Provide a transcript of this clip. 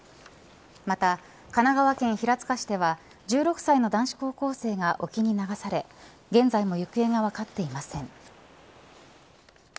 また、神奈川県平塚市では１６歳の男子高校生が沖に流され現在も行方が分かっていません。